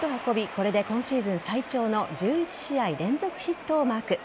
これで今シーズン最長の１１試合連続ヒットをマーク。